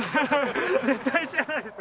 絶対知らないですよね。